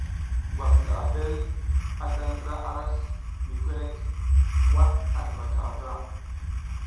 Ngwasa ngi abel a da ndra arasl mi korek, waɗ a sluvaka avura.